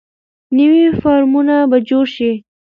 نوي فارمونه به جوړ شي.